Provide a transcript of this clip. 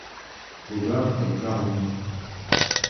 Дудар, къеблагъ унэм!